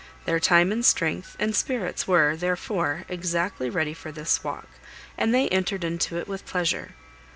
Their time and strength, and spirits, were, therefore, exactly ready for this walk, and they entered into it with pleasure.